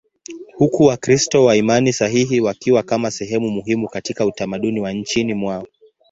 huku Wakristo wa imani sahihi wakiwa kama sehemu muhimu katika utamaduni wa nchini mwao.